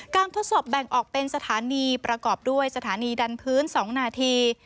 ทดสอบแบ่งออกเป็นสถานีประกอบด้วยสถานีดันพื้น๒นาที